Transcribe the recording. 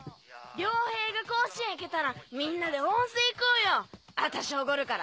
了平が甲子園行けたらみんなで温泉行こうよ私おごるから。